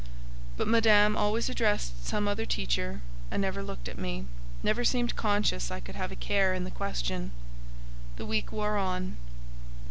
But Madame always addressed some other teacher, and never looked at me, never seemed conscious I could have a care in the question. The week wore on.